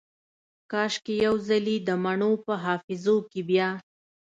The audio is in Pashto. کاشکي یو ځلې دمڼو په حافظو کې بیا